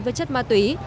với chất ma túy